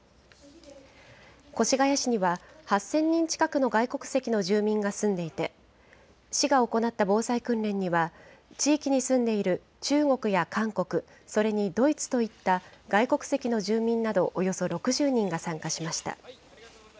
越谷市には８０００人近くの外国籍の住民が住んでいて、市が行った防災訓練には、地域に住んでいる中国や韓国、それにドイツといった外国籍の住民などおよそ６０人が参加しました。